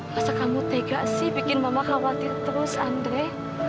masa kamu tega sih bikin mama khawatir terus andre